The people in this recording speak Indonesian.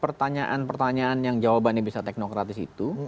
pertanyaan pertanyaan yang jawabannya bisa teknokratis itu